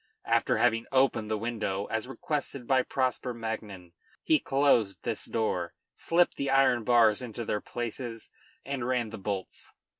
After having opened the window, as requested by Prosper Magnan, he closed this door, slipped the iron bars into their places and ran the bolts.